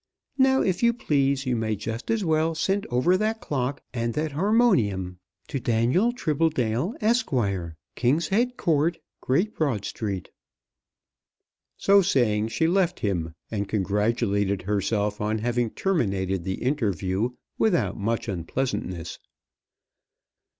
Now, if you please, you may just as well send over that clock and that harmonium to Daniel Tribbledale, Esq., King's Head Court, Great Broad Street." So saying she left him, and congratulated herself on having terminated the interview without much unpleasantness.